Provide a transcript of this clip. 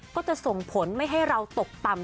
ก็จะส่งผลไม่ให้เราตกต่ำ